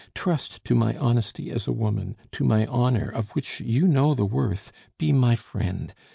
"Trust to my honesty as a woman, to my honor, of which you know the worth! Be my friend!